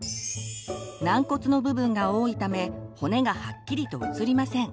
軟骨の部分が多いため骨がはっきりと写りません。